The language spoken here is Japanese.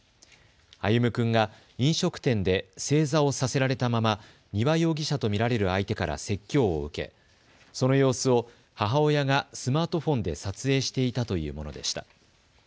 歩夢君が飲食店で正座をさせられたまま丹羽容疑者と見られる相手から説教を受けその様子を母親がスマートフォンで撮影していたというものでした。